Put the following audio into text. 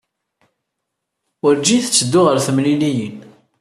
Werǧin tetteddu ɣer temliliyin.